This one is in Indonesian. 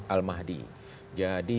al mahdi jadi